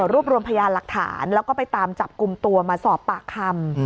รวบรวมพยานหลักฐานแล้วก็ไปตามจับกลุ่มตัวมาสอบปากคำ